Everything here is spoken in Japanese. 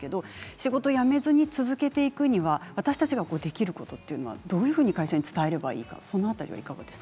仕事を辞めずに続けていくには私たちができることはどういうふうに会社に伝えればいいですか？